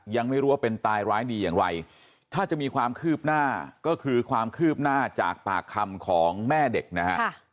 ยังไม่รู้ว่าเป็นตายร้ายดีอย่างไรถ้าจะมีความคืบหน้าก็คือความคืบหน้าจากปากคำของแม่เด็กนะฮะ